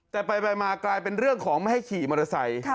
แต่ไปมากลายเป็นเรื่องของไม่ให้ขี่มอเตอร์ไซค์